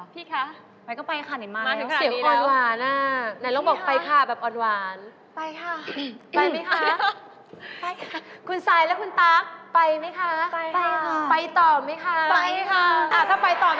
ถ้าไปต่อแบบนี้ค่ะ